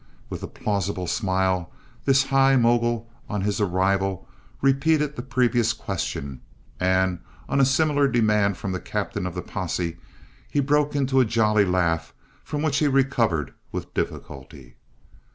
With a plausible smile this high mogul, on his arrival, repeated the previous question, and on a similar demand from the captain of the posse, he broke into a jolly laugh from which he recovered with difficulty.